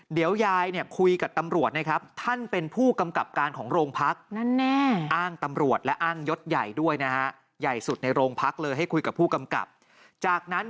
เดี๋ยวยายคุยกับตำรวจท่านเป็นผู้กำกับการของโรงพัก